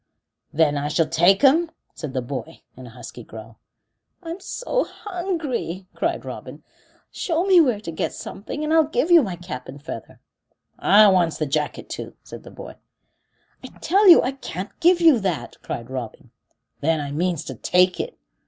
"Then I shall take 'em?" said the boy, in a husky growl. "I'm so hungry," cried Robin. "Show me where to get something, and I'll give you my cap and feather." "I wants the jacket too," said the boy. "I tell you I can't give you that," cried Robin. "Then I means to take it."